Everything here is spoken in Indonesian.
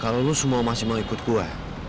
kalau lo semua masih mau ikut gua